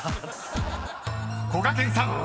［こがけんさん］